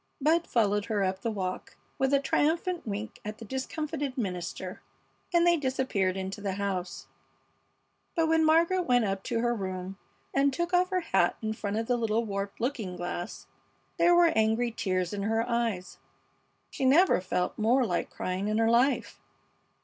Bud followed her up the walk with a triumphant wink at the discomfited minister, and they disappeared into the house; but when Margaret went up to her room and took off her hat in front of the little warped looking glass there were angry tears in her eyes. She never felt more like crying in her life.